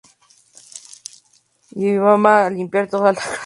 Fervoroso católico, no se le permitió asistir a Cambridge por su religión.